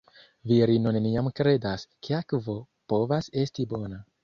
Virino neniam kredas, ke akvo povas esti bona.